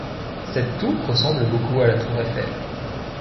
Cette tour ressemble beaucoup à la Tour Eiffel.